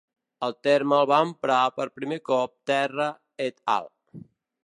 El terme el va emprar per primer cop Terra et al.